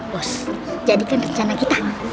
bos jadikan rencana kita